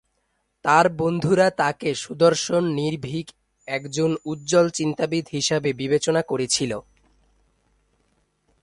তার বন্ধুরা তাকে "সুদর্শন, নির্ভীক, একজন উজ্জ্বল চিন্তাবিদ" হিসাবে বিবেচনা করেছিল।